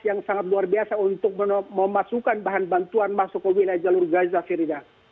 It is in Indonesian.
yang sangat luar biasa untuk memasukkan bahan bantuan masuk ke wilayah jalur gaza firiza